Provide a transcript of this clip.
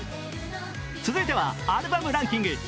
続いては、アルバムランキング。